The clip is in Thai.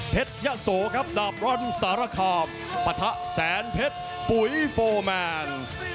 เพชรยะโสครับดาบร้อนสาระคาบปแสนเพชรปุ๋ยโฟร์แมน